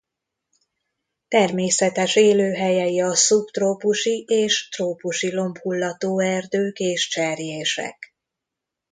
Természetes élőhelyei a szubtrópusi és trópusi lombhullató erdők és cserjések.